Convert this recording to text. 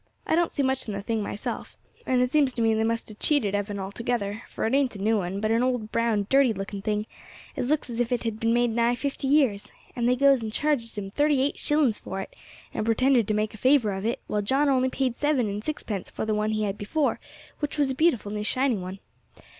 I don't see much in the thing myself, and it seems to me they must have cheated Evan altogether, for it ain't a new un, but an old, brown, dirty looking thing, as looks as if it had been made nigh fifty years; and they goes and charges him thirty eight shillings for it, and pretended to make a favour of it, while John only paid seven and sixpence for the one he had before, which was a beautiful new shiny one.